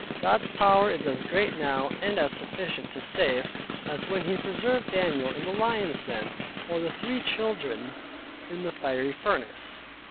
God's power is as great now, and as sufficient to save, as when He preserved Daniel in the lion's den; or the three children in the fiery furnace.